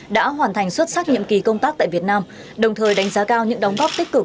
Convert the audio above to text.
đã hoàn thành xuất sắc nhiệm kỳ công tác tại việt nam đồng thời đánh giá cao những đóng góp tích cực